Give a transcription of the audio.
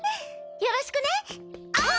よろしくねおう！